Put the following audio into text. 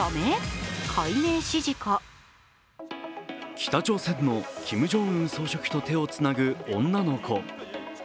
北朝鮮のキム・ジョンウン総書記と手をつなぐ女の子。